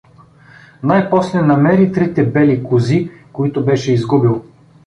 Най-после намери трите бели кози, които беше изгубил.